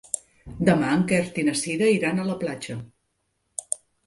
Demà en Quer i na Cira iran a la platja.